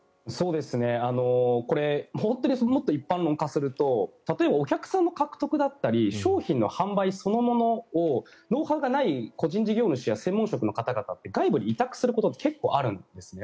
これ本当にもっと一般論化すると例えばお客さんの獲得だったり商品の販売そのものをノウハウがない個人事業主や専門職の方々って外部に委託することって結構あるんですね。